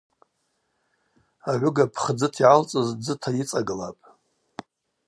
Агӏвыга пхдзыта йгӏалцӏыз дзыта йыцӏагылапӏ.